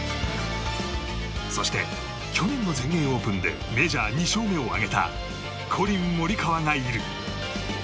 そして、去年の全英オープンでメジャー２勝目を挙げたコリン・モリカワがいる。